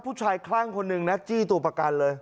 คลั่งคนหนึ่งนะจี้ตัวประกันเลย